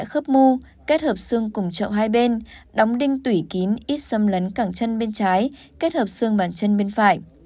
kết hợp xương cùng trậu hai bên đóng đinh tủy kín ít xâm lấn cẳng chân bên trái kết hợp xương bàn chân bên phải